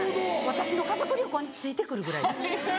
私の家族旅行についてくるぐらいです。